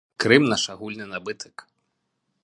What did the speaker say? Крым наш агульны набытак.